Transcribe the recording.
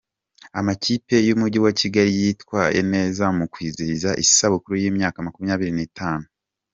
Amakipe y’Umujyi wa Kigali yitwaye neza mu kwizihiza isabukuru y’imyaka makumyabiri nitatu